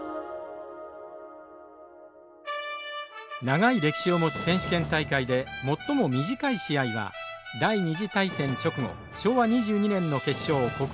長い歴史を持つ選手権大会で最も短い試合は第２次大戦直後昭和２２年の決勝小倉中学対岐阜商業です。